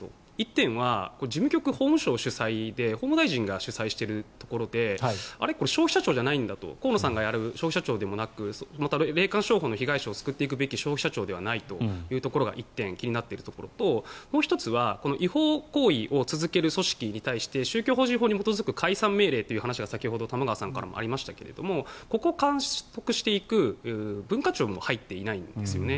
１点は事務局、法務省主催で法務大臣が主催しているというところであれ、これ消費者庁じゃないんだと霊感商法の被害者を救っていくべく消費者庁ではないというところが１つ気になっているところともう１つは違法行為を続ける組織について宗教法人法に基づいて解散命令という話が先ほど玉川さんからもありましたが、ここを監督していく文化庁も入ってないんですよね。